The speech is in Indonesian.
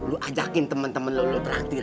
lo ajakin temen temen lo lo terakhir